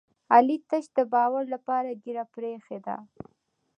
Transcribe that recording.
علي تش د باور لپاره ږېره پرې ایښې ده.